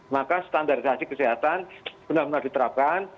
maka standarisasi kesehatan benar benar diterapkan